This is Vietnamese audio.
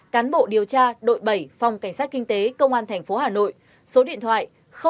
cán bộ điều tra đội bảy phòng cảnh sát kinh tế công an tp hà nội số điện thoại ba trăm sáu mươi bảy hai trăm sáu mươi tám tám trăm tám mươi tám